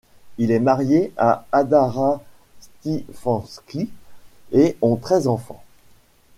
Il est marié à Hadara Stefanski et ont treize enfants.